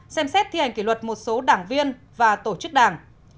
ba xem xét thi hành kỷ luật một số đảng viên và tổ chức đảng